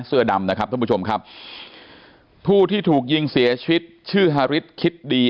เสื้อดำนะครับท่านผู้ชมครับผู้ที่ถูกยิงเสียชีวิตชื่อฮาริสคิดดี